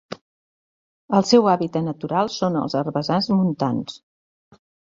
El seu hàbitat natural són els herbassars montans.